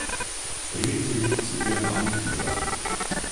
Bringen Sie mich zu Ihrem Anführer!